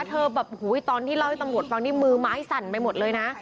เธอแบบตอนที่เล่าให้ตำรวจฟังนี่มือไม้สั่นไปหมดเลยนะ